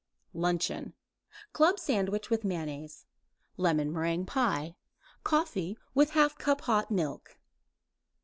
LUNCHEON Club sandwich with mayonnaise; lemon meringue pie; coffee with half cup hot milk.